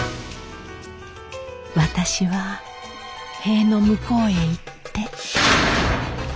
私は塀の向こうへ行って。